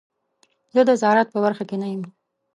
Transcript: زه د زراعت په برخه کې نه یم.